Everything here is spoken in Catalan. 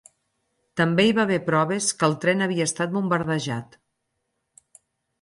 També hi va haver proves que el tren havia estat bombardejat.